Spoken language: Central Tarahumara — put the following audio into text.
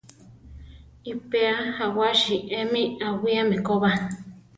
Iʼpéa jawási emi awíame ko ba.